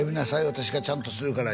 「私がちゃんとするから」